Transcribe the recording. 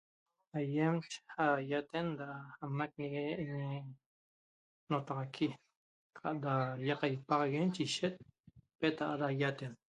Aýem saýaten da samaquingui aña'añi notaxaqui qata qaiapaxaguen ishet peta'a ra ýaten